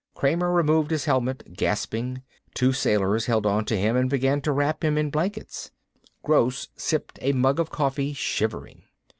Kramer removed his helmet, gasping. Two sailors held onto him and began to wrap him in blankets. Gross sipped a mug of coffee, shivering.